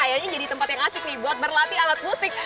tapi juga kayaknya jadi tempat yang asik nih buat berlatih alat musik